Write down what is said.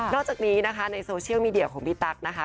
อกจากนี้นะคะในโซเชียลมีเดียของพี่ตั๊กนะคะ